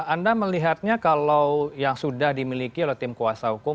anda melihatnya kalau yang sudah dimiliki oleh tim kuasa hukum